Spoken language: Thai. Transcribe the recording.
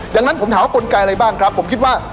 ดังนั้นผมถามว่ากลไกอะไรบ้างครับผมคิดว่า